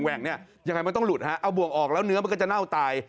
่งเนี่ยยังไงมันต้องหลุดฮะเอาบ่วงออกแล้วเนื้อมันก็จะเน่าตาย